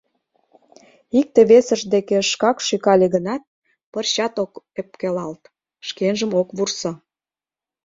Икте-весышт деке шкак шӱкале гынат, пырчат ок ӧпкелалт, шкенжым ок вурсо.